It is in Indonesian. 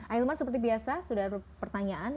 ahilman seperti biasa sudah ada pertanyaan